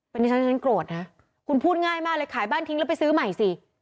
อันนี้ฉันฉันโกรธนะคุณพูดง่ายมากเลยขายบ้านทิ้งแล้วไปซื้อใหม่สิ